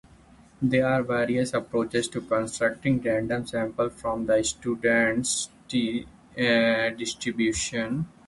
There are various approaches to constructing random samples from the Student's "t"-distribution.